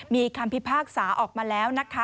มีคำพิพากษาออกมาแล้วนะคะ